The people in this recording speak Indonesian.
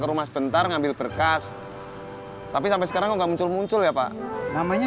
ke rumah sebentar ngambil berkas tapi sampai sekarang enggak muncul muncul ya pak namanya